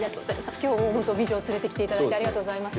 きょうは美女を連れてきていただいてありがとうございます。